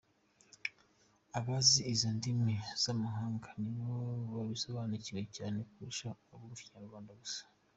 Abazi izo ndimi z’amahanga nibo babisobanukirwa cyane kurusha abumva Ikinyarwanda gusa.